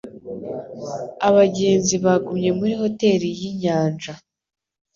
Abagenzi bagumye muri hoteri yinyanja.